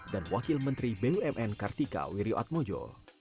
dan wakil menteri bumn kartika wiryutmojo